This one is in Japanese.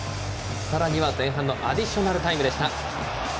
さらには前半のアディショナルタイムでした。